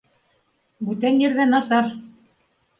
Бүтән ерҙә насар!